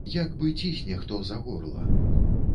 Як бы цісне хто за горла.